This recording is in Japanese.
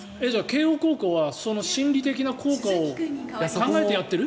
慶応高校はその心理的な効果を考えてやってる？